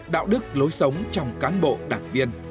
đạo đức lối sống trong cán bộ đảng viên